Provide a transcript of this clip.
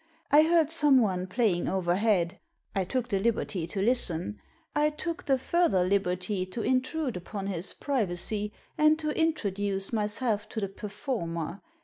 I heard someone playing overhead. I took the liberty to listen. I took the further liberty to intrude upon his privacy, and to introduce myself to the performer.